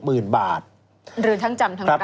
หรือทั้งจำทั้งปรับ